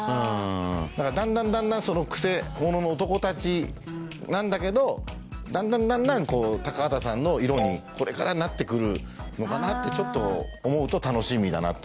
だんだんだんだんくせ者の男たちなんだけどだんだんこう高畑さんの色にこれからなって来るのかなって思うと楽しみだなって。